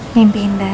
mimpi indah ya